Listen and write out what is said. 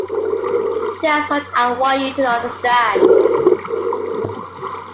That's what I want you to understand.